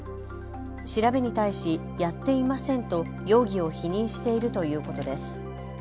調べに対しやっていませんと容疑を否認しているということです。